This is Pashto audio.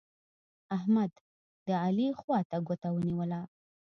احمد؛ د علي خوا ته ګوته ونيول.